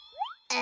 あ。